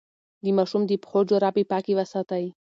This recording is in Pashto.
د ماشوم د پښو جرابې پاکې وساتئ.